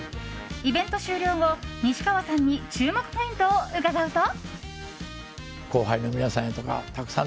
イベント終了後、西川さんに注目ポイントをうかがうと。